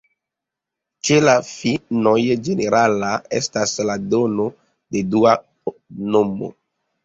Ĉe la finnoj ĝenerala estas la dono de dua nomo.